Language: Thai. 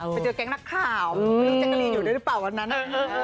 ไปเจอกับแก๊งนักข่าวว่าแจ๊กกะลีนอยู่ได้หรือเปล่า